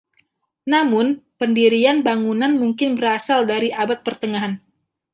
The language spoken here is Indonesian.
Namun pendirian bangunan mungkin berasal dari Abad Pertengahan.